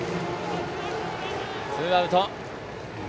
ツーアウト。